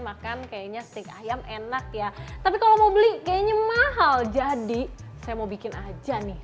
makan kayaknya steak ayam enak ya tapi kalau mau beli kayaknya mahal jadi saya mau bikin aja nih